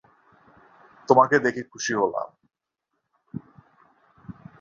তোমাকে দেখে খুশি হলাম।